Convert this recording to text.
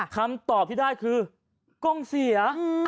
คำตอบที่ได้คือกล้องเสีย